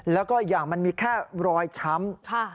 แล้วก็อีกอย่างมันมีแค่รอยช้ำ